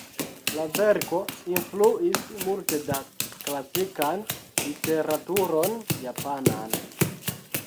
La verko influis multe la klasikan literaturon japanan.